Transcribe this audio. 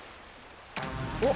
おっ！